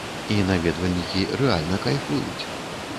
І наведвальнікі рэальна кайфуюць.